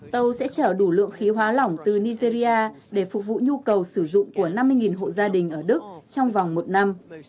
tàu sẽ chở đủ lượng khí hóa lỏng từ nigeria để phục vụ nhu cầu sử dụng của năm mươi hộ gia đình ở đức trong vòng một năm